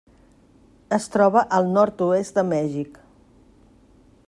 Es troba al nord-oest de Mèxic.